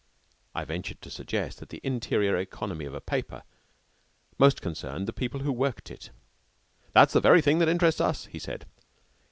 I ventured to suggest that the interior economy of a paper most concerned the people who worked it. "That's the very thing that interests us," he said.